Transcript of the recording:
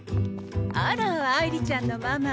あら愛梨ちゃんのママ。